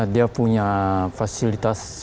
dia punya fasilitas